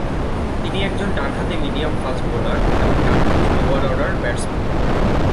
তিনি একজন ডানহাতি মিডিয়াম-ফাস্ট বলার এবং ডানহাতি লোয়ার অর্ডার ব্যাটসম্যান।